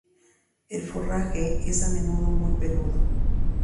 El forraje es a menudo muy peludo.